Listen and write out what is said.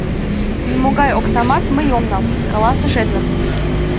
— Нимогай оксамат мый ом нал, — каласыш Эдвард.